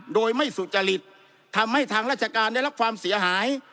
โดยไม่สุจริตทำให้ทางราชการได้รับความเสียหาย